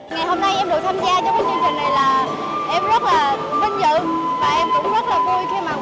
ngày hôm nay em được tham gia trong cái chương trình này là em rất là vinh dự